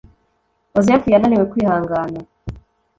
ozefu yananiwe kwihangana